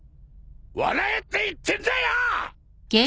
笑えって言ってんだよ！